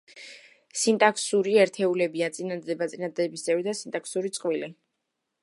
სინტაქსური ერთეულებია: წინადადება, წინადადების წევრი და სინტაქსური წყვილი.